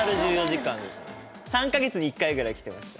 ３か月に１回ぐらい来てました。